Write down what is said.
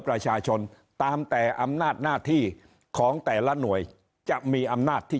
ประชาชนตามแต่อำนาจหน้าที่ของแต่ละหน่วยจะมีอำนาจที่